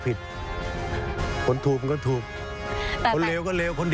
ผลผิดมันก็ผิด